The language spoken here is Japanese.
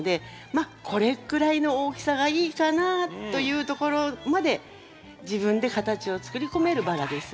まあこれくらいの大きさがいいかなというところまで自分で形をつくり込めるバラです。